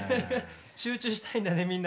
集中したいんだねみんなね。